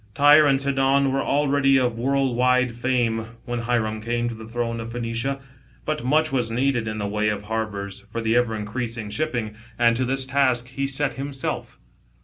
Tyre and Sidon were already of world wide fame, when Hiram came to the throne of Phoenioia ; but much was needed in the way of harbours for the ever increasing shipping, and to this task he set himself.